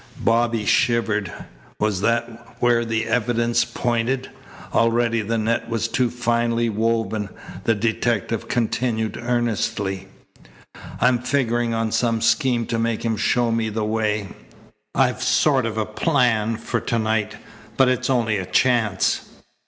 Bobby shivered. Was that where the evidence pointed? Already the net was too finely woven. The detective continued earnestly: "I'm figuring on some scheme to make him show me the way. I've a sort of plan for to night, but it's only a chance."